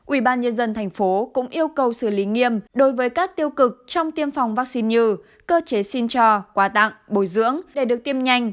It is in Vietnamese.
ubnd tp cũng yêu cầu xử lý nghiêm đối với các tiêu cực trong tiêm phòng vaccine như cơ chế xin cho quà tặng bồi dưỡng để được tiêm nhanh